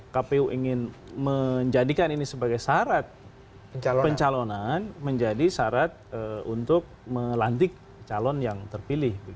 kpu ingin menjadikan ini sebagai syarat pencalonan menjadi syarat untuk melantik calon yang terpilih